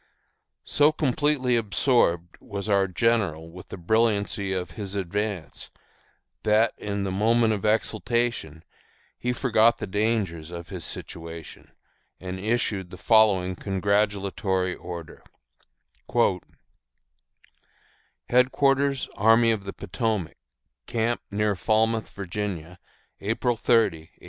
So completely absorbed was our general with the brilliancy of his advance that, in the moment of exultation, he forgot the dangers of his situation, and issued the following congratulatory order: HEADQUARTERS ARMY OF THE POTOMAC, Camp near Falmouth, Virginia, April 30, 1863.